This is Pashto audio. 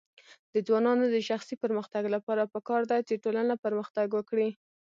د ځوانانو د شخصي پرمختګ لپاره پکار ده چې ټولنه پرمختګ ورکړي.